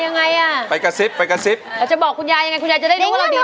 ยังไงอ่ะไปกระซิบไปกระซิบเราจะบอกคุณยายยังไงคุณยายจะได้รู้ว่าเราดี